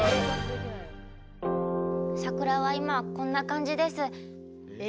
桜は今こんな感じです。